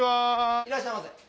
いらっしゃいませ。